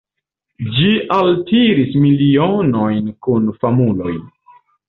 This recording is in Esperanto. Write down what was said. Ĝi altiris milionojn kun famuloj.